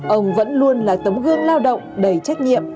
ông vẫn luôn là tấm gương lao động đầy trách nhiệm